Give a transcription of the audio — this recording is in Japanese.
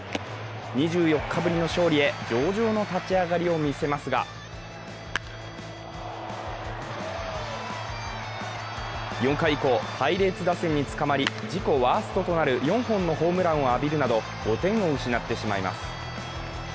２４日ぶりの勝利へ上々の立ち上がりを見せますが４回以降、パイレーツ打線につかまり、自己ワーストとなる４本のホームランを浴びるなど、５点を失ってしまいます。